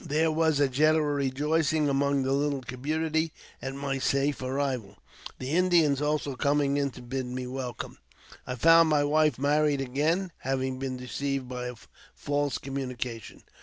There was a general rejoicing among the little community at my safe arrival, the Indians also coming in to bid me welcome. I found my wife married again, having been deceived by a false communication.